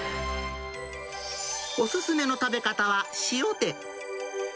お勧めの食べ方は、塩で。